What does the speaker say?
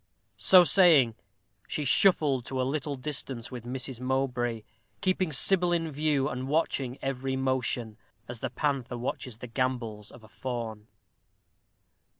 So saying, she shuffled to a little distance with Mrs. Mowbray, keeping Sybil in view, and watching every motion, as the panther watches the gambols of a fawn.